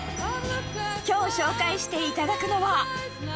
きょう紹介していただくのは。